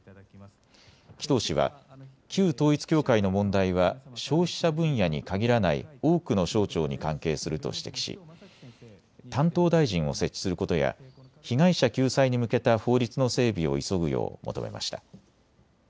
紀藤氏は旧統一教会の問題は消費者分野に限らない多くの省庁に関係すると指摘し担当大臣を設置することや被害者救済に向けた法律の整備を急ぐよう求めました。